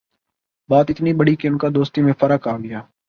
بات اتنی بڑھی کہ ان کی دوستی میں فرق آگیا